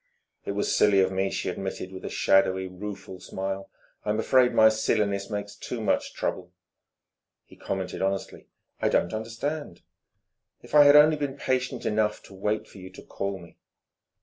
"It was silly of me," she admitted with a shadowy, rueful smile. "I'm afraid my silliness makes too much trouble...." He commented honestly: "I don't understand." "If I had only been patient enough to wait for you to call me...."